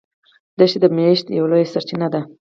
دښتې د معیشت یوه لویه سرچینه ده.